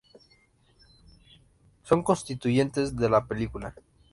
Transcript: Son constituyentes de la película.